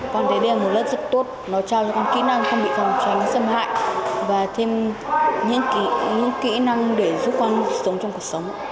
con thấy đây là một lớp rất tốt nó trao cho những kỹ năng không bị phòng tránh xâm hại và thêm những kỹ năng để giúp con sống trong cuộc sống